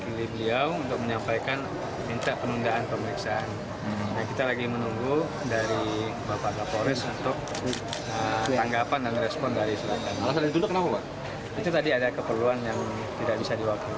ya sebab itu ya jadi selalu kita nunggu untuk dapat respon dari bapak kapolres